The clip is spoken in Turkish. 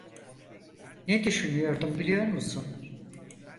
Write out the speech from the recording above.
Ne düşünüyordum biliyor musun?